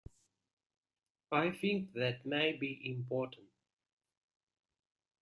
I think that may be important.